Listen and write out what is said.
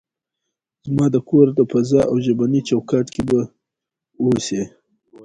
زما د کور د فضا او ژبني چوکاټ کې به اوسئ.